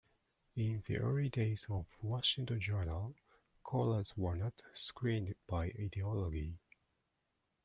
In the early days of "Washington Journal", callers were not screened by ideology.